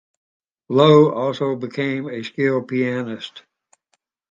Lowe also became a skilled pianist.